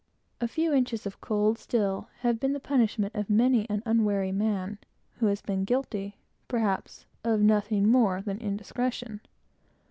A few inches of cold steel has been the punishment of many an unwary man, who has been guilty, perhaps, of nothing more than indiscretion of manner.